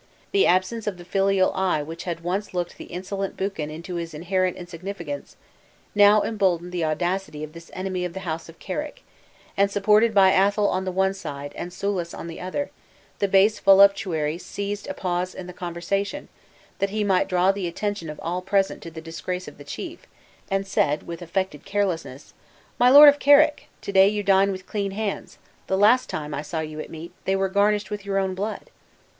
The absence of the filial eye which had once looked the insolent Buchan into his inherent insignificance, now emboldened the audacity of this enemy of the house of Carrick; and, supported by Athol on the one side, and Soulis on the other, the base voluptuary seized a pause in the conversation (that he might draw the attention of all present to the disgrace of the chief), and said, with affected carelessness, "My Lord of Carrick, to day you dine with clean hands; the last time, I saw you at meat, they were garnished with your own blood!"